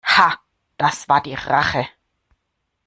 Ha, das war die Rache!